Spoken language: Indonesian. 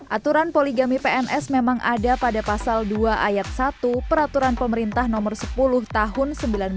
aturan poligami pns memang ada pada pasal dua ayat satu peraturan pemerintah nomor sepuluh tahun seribu sembilan ratus sembilan puluh